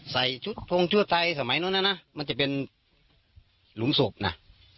ใส่ชุดทงชั่วไทยสมัยนู้นนะนะมันจะเป็นหลุมศพนะ